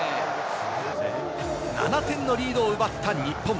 ７点のリードを奪った日本。